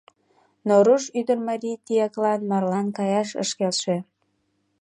Но руш ӱдыр марий тияклан марлан каяш ыш келше.